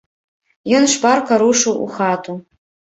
Ён шпарка рушыў у хату.